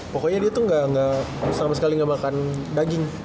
pokoknya dia tuh gak sama sekali gak makan daging